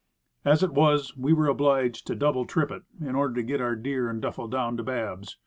As it was, we were obliged to "double trip it" in order to get our deer and duffle down to "Babb's."